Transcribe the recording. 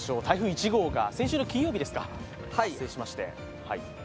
台風１号が先週金曜日に発生しました。